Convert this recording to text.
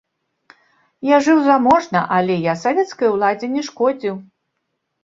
Я жыў заможна, але я савецкай уладзе не шкодзіў.